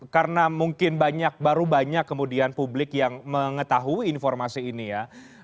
karena mungkin baru banyak kemudian publik yang mengetahui informasi ini ya